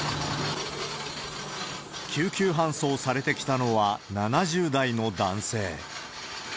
救急搬送されてきたのは７０代の男性。